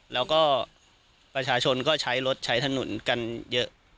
แล้วก็ประชาชนก็ใช้รถใช้ถนนกันเยอะ